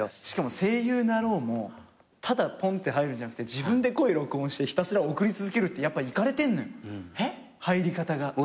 しかも声優なろうもただポンって入るんじゃなくて自分で声録音してひたすら送り続けるってやっぱいかれてんのよ入り方が。